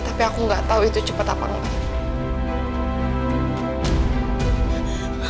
tapi aku gak tau itu cepet apa enggak